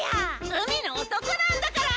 海の男なんだから！